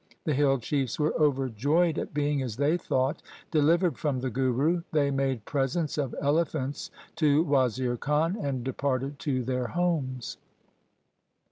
The hill chiefs were overjoyed at being, as they thought, delivered from the Guru. They made presents of elephants to Wazir Khan and departed to their homes.